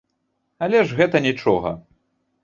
Але ж гэта нічога.